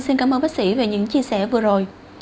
xin cảm ơn bác sĩ về những chia sẻ vừa rồi